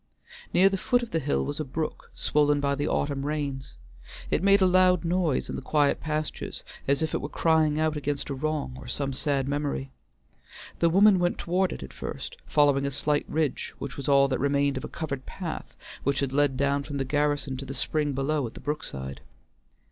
Near the foot of the hill was a brook, swollen by the autumn rains; it made a loud noise in the quiet pasture, as if it were crying out against a wrong or some sad memory. The woman went toward it at first, following a slight ridge which was all that remained of a covered path which had led down from the garrison to the spring below at the brookside.